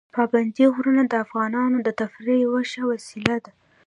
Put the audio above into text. پابندي غرونه د افغانانو د تفریح یوه ښه وسیله ده.